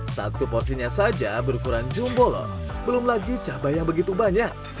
satu porsinya saja berukuran jumbolon belum lagi cabai yang begitu banyak